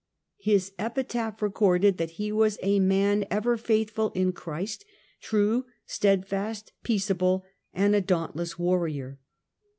His epitaph recorded that he was a man ever Death of faithful in Christ, true, steadfast, peaceable, and a daunt Dec'?,^ '' less warrior."